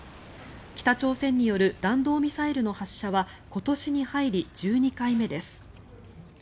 北朝鮮による弾道ミサイルの発射は今年に入り１２回目です。